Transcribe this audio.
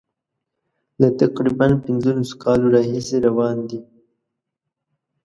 له تقریبا پنځلسو کالو راهیسي روان دي.